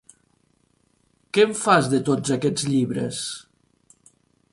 Què en fas de tots aquests llibres?